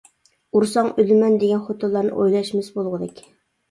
ئۇرساڭ ئۆلىمەن دېگەن خوتۇنلارنى ئويلاشمىسا بولغۇدەك.